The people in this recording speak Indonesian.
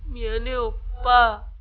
mian ya opa